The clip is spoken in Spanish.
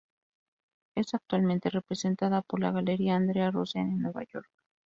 Es actualmente representada por la Galería Andrea Rosen en Nueva York.